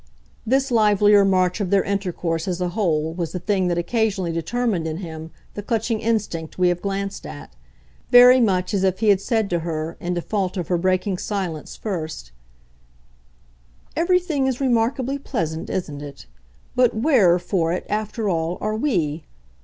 This livelier march of their intercourse as a whole was the thing that occasionally determined in him the clutching instinct we have glanced at; very much as if he had said to her, in default of her breaking silence first: "Everything is remarkably pleasant, isn't it? but WHERE, for it, after all, are we?